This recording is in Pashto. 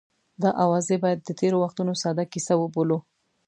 دا اوازې باید د تېرو وختونو ساده کیسه وبولو.